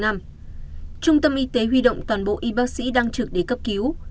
trung tâm y tế huy động toàn bộ y bác sĩ đang trực để cấp cứu